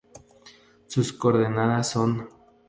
Sus coordenadas son